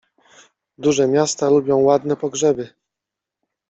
Duże miasta lubią ładne pogrzeby.